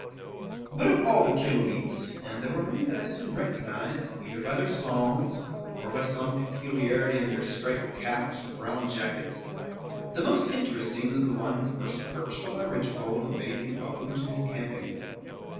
But of all the Killooleets, and there were many that I soon recognized, either by their songs, or by some peculiarity in their striped caps or brown jackets, the most interesting was the one who first perched on my ridgepole and bade me welcome to his camping ground.